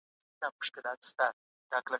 تاسو باید په خپلو خبرو کي صادق اوسئ.